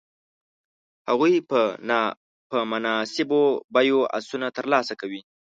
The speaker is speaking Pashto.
هغوی په مناسبو بیو آسونه تر لاسه کوي.